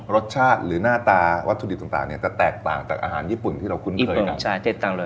รสชาติหรือหน้าตาวัตถุดิบต่างเนี่ยจะแตกต่างจากอาหารญี่ปุ่นที่เราคุ้นเคยกันใช่ติดตามเลย